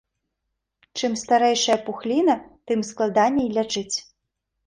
Чым старэйшая пухліна, тым складаней лячыць.